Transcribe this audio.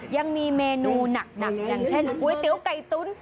ยังมีเมนูหนักอย่างเช่นก๋วยเตี๋ยวไก่ตุ๋น